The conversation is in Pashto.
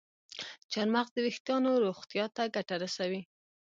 چارمغز د ویښتانو روغتیا ته ګټه رسوي.